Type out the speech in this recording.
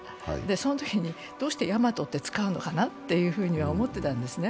そのときにどうしてヤマトと使うのかなとは思ってたんですね。